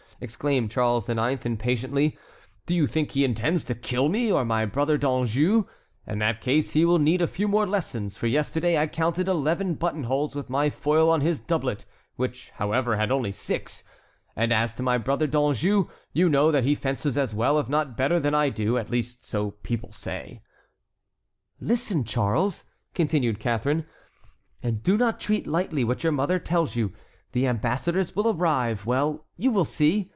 exclaimed Charles IX., impatiently, "do you think he intends to kill me, or my brother D'Anjou? In that case he will need a few more lessons, for yesterday I counted eleven buttonholes with my foil on his doublet, which, however, had only six. And as to my brother D'Anjou, you know that he fences as well if not better than I do; at least so people say." "Listen, Charles," continued Catharine, "and do not treat lightly what your mother tells you. The ambassadors will arrive; well, you will see!